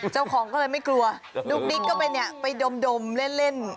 เจ้าของก็เลยไม่กลัวดุ๊กดิ๊กก็ไปเนี่ยไปดมเล่น